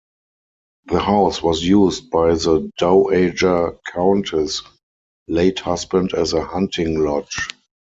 The house was used by the Dowager Countess' late husband as a hunting lodge.